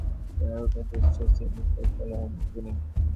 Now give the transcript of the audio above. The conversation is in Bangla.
কিন্তু গতকাল শুক্রবার প্রিয় নগরকে চেনারূপে দেখে স্বস্তির নিঃশ্বাস ফেললেন তিনি।